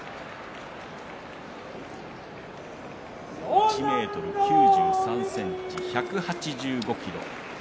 １ｍ９３ｃｍ、１８５ｋｇ。